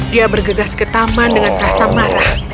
dia bergegas ke taman dengan rasa marah